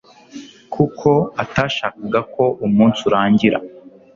kuko atashakaga ko umunsi urangira